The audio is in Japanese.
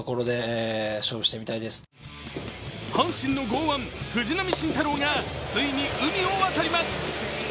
阪神の剛腕・藤浪晋太郎がついに海を越えます。